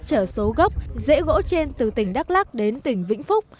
chở số gốc rễ gỗ trên từ tỉnh đắk lắc đến tỉnh vĩnh phúc